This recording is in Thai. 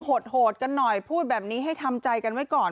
โหดกันหน่อยพูดแบบนี้ให้ทำใจกันไว้ก่อน